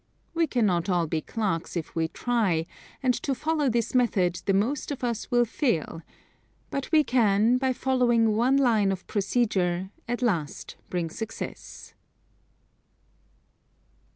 We cannot all be Clarks if we try, and to follow this method the most of us will fail; but we can, by following one line of procedure, at last bring success.